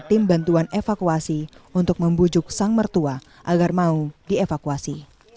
tim bantuan evakuasi untuk membujuk sang mertua agar mau dievakuasi